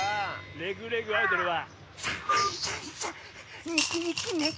「レグ・レグ・アイドル」は。